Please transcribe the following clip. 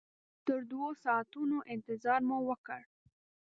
تر دوو ساعتونو انتظار مو وکړ.